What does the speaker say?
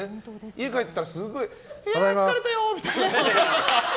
家帰ったらすごい疲れたよ！みたいな。